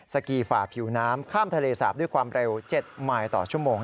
สกีฝ่าผิวน้ำข้ามทะเลสาบด้วยความเร็ว๗มายต่อชั่วโมง